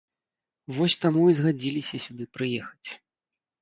Вось таму і згадзіліся сюды прыехаць.